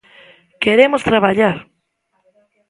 "Queremos traballar".